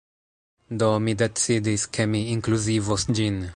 Do, mi decidis, ke mi inkluzivos ĝin